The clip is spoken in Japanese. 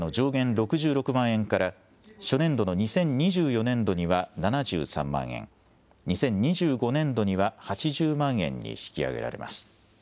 ６６万円から、初年度の２０２４年度には７３万円、２０２５年度には８０万円に引き上げられます。